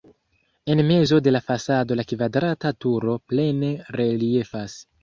En mezo de la fasado la kvadrata turo plene reliefas.